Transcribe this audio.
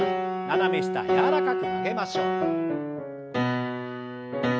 斜め下柔らかく曲げましょう。